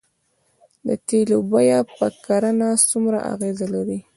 د تیلو بیه په کرنه څومره اغیز لري؟